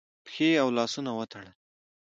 پښې او لاسونه وتړل